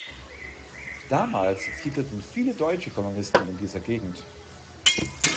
Damals siedelten viele deutsche Kolonisten in dieser Gegend.